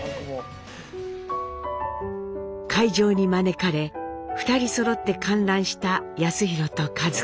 会場に招かれ２人そろって観覧した康宏と一子。